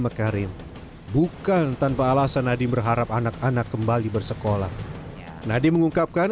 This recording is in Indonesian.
mekarin bukan tanpa alasan nadiem berharap anak anak kembali bersekolah nadiem mengungkapkan